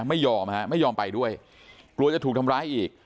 ไม่ยอมฮะไม่ยอมไปด้วยกลัวจะถูกทำร้ายอีก